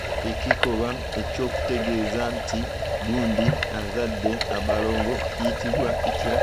Ekikolwa ky'okutegeeza nti gundi azadde abalongo kiyitibwa kitya?